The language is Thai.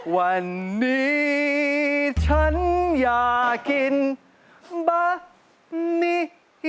วันนี้ฉันอยากกินบะนี้